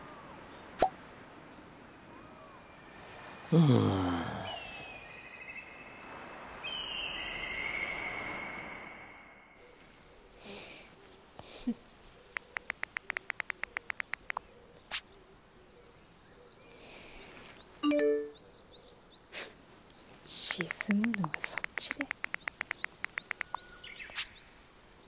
ふっ沈むのはそっちだ。